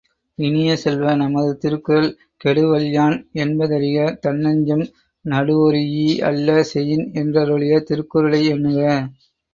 இனிய செல்வ நமது திருக்குறள், கெடுவல்யான் என்பதறிக தன்நெஞ்சம் நடுவொரீஇ அல்ல செயின் என்றருளிய திருக்குறளை எண்ணுக!